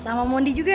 sama mondi juga